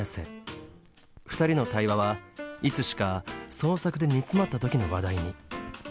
２人の対話はいつしか創作で煮詰まった時の話題に。